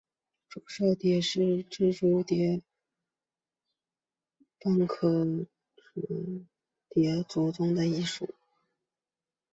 浊绡蝶属是蛱蝶科斑蝶亚科绡蝶族中的一个属。